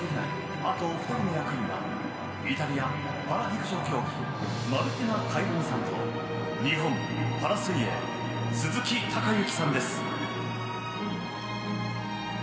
あとお二人の役員はイタリア、パラ陸上競技マルティナ・カイローニさんと日本、パラ水泳鈴木孝幸さんです。